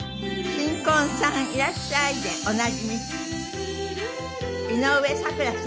『新婚さんいらっしゃい！』でおなじみ井上咲楽さん